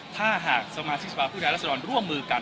ถ้าหากสมาชิกษภาพุทธรรมร่วมมือกัน